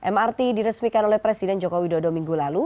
mrt diresmikan oleh presiden jokowi dodo minggu lalu